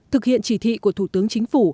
thực hiện chỉ thị của thủ tướng chính phủ